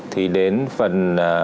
thì đến phần